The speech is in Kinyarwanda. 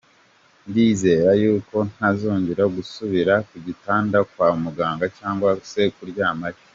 Ndizera y'uko ntazongera gusubira ku gitanda kwa muganga cyangwa se kuryamayo.